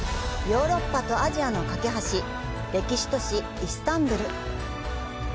ヨーロッパとアジアの懸け橋、歴史都市イスタンブル。